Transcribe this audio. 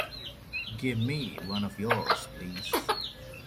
Give me one of yours, please.